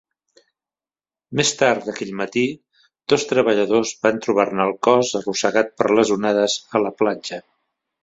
Més tard aquell matí, dos treballadors van trobar-ne el cos arrossegar per les onades a la platja.